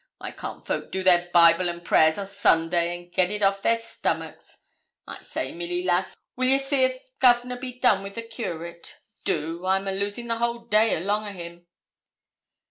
'Why can't folk do their Bible and prayers o' Sundays, and get it off their stomachs? I say, Milly lass, will ye see if Governor be done wi' the Curate? Do. I'm a losing the whole day along o' him.'